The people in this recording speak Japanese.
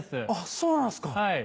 そうなんですか。